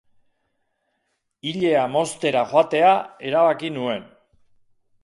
Ilea moztera joatea erabaki nuen.